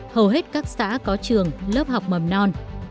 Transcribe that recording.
hầu hết các xã có trường lớp học mầm non